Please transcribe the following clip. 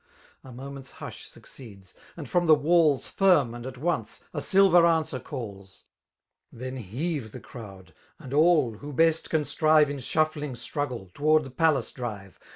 A moment's hush succeeds; and from the watls^ Firm and at once, a silver a&swer caUs. Then heave tifie crowd; and all^ who best can strive In shuffling struggle, tow'rd the palace drive.